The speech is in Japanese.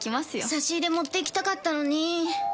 差し入れ持っていきたかったのに。